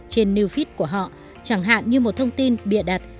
trên new feed của họ chẳng hạn như một thông tin bịa đặt